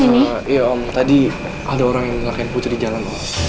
sama iya om tadi ada orang yang ngelakain putri di jalan